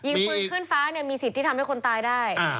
ยิงปืนขึ้นฟ้าเนี่ยมีสิทธิ์ที่ทำให้คนตายได้